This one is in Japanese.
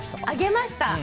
あげました。